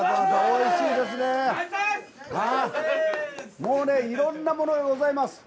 もう、いろんなものがございます。